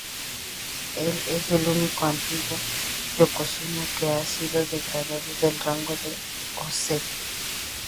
Él es el único antiguo "yokozuna" que ha sido degradado del rango de "ōzeki".